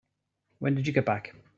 When did you get back?